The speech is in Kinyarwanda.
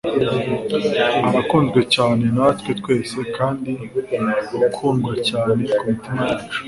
urakunzwe cyane natwe twese kandi ukundwa cyane kumitima yacu